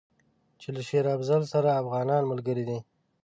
چې له شېر افضل سره افغانان ملګري دي.